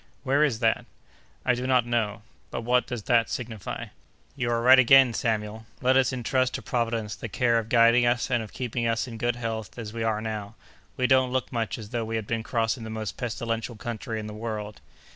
"Where is that?" "I do not know. But what does that signify?" "You are right again, Samuel! Let us intrust to Providence the care of guiding us and of keeping us in good health as we are now. We don't look much as though we had been crossing the most pestilential country in the world!"